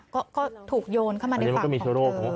ก็ถูกโยนเข้ามาในฝั่งของเธอ